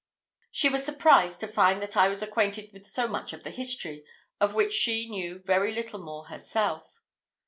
She was surprised to find that I was acquainted with so much of the history, of which she knew very little more herself.